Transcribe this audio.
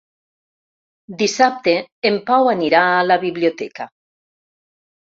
Dissabte en Pau anirà a la biblioteca.